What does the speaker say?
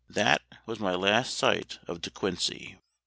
That was my last sight of De Quincey."